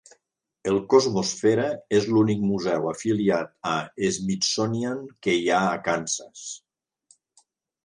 El Cosmosfera és l'únic museu afiliat al Smithsonian que hi ha a Kansas.